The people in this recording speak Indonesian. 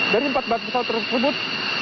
dari empat pesawat tersebut